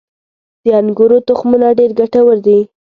• د انګورو تخمونه ډېر ګټور دي.